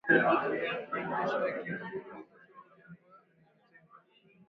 kutoshtakiwa kwa makosa yote ambayo ameyatenda